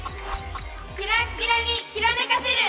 キラッキラにキラめかせる！